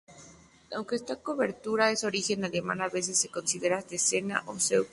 Aunque esta cobertura es de origen alemán, a veces se considera danesa o sueca.